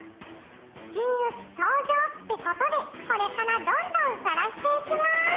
「真打ち登場って事でこれからどんどん晒していきまーす！」